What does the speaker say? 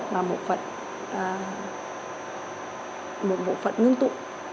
và một bộ phận là ngưng tụ